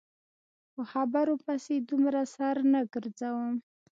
په خبرو پسې دومره سر نه ګرځوم.